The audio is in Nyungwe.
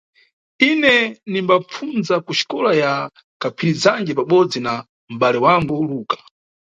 Ine nimbapfundza kuxikola ya Kaphirizanje pabodzi na mʼbale wangu Luka.